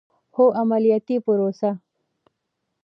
خو عملیاتي پروسه